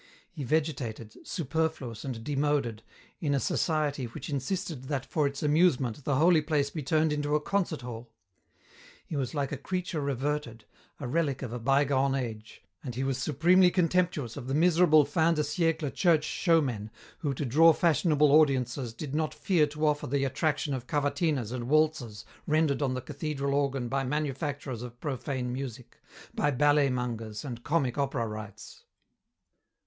He vegetated, superfluous and demoded, in a society which insisted that for its amusement the holy place be turned into a concert hall. He was like a creature reverted, a relic of a bygone age, and he was supremely contemptuous of the miserable fin de siècle church showmen who to draw fashionable audiences did not fear to offer the attraction of cavatinas and waltzes rendered on the cathedral organ by manufacturers of profane music, by ballet mongers and comic opera wrights.